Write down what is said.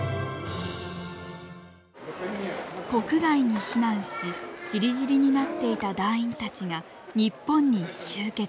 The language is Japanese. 国外に避難しちりぢりになっていた団員たちが日本に集結。